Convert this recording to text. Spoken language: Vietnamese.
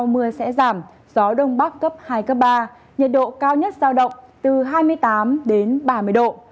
mưa sẽ giảm gió đông bắc cấp hai cấp ba nhiệt độ cao nhất giao động từ hai mươi tám đến ba mươi độ